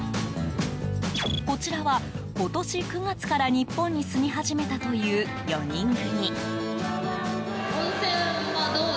こちらは、今年９月から日本に住み始めたという４人組。